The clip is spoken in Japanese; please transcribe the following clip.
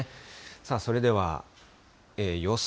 さあ、それでは予想